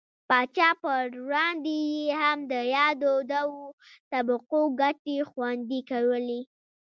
پاچا پر وړاندې یې هم د یادو دوو طبقو ګټې خوندي کولې.